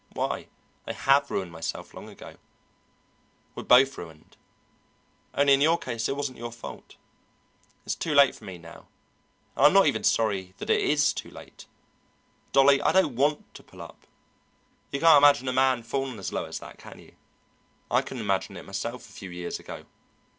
Why, I have ruined myself long ago. We're both ruined only in your case it wasn't your fault. It's too late for me now, and I'm even not sorry that it is too late. Dolly, I don't want to pull up. You can't imagine a man fallen as low as that, can you? I couldn't imagine it myself a few years ago.